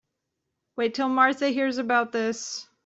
Wait till Martha hears about this.